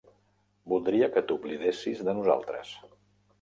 Voldria que t'oblidessis de nosaltres.